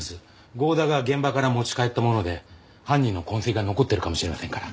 剛田が現場から持ち帰ったもので犯人の痕跡が残ってるかもしれませんから。